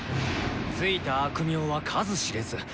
付いた悪名は数知れず！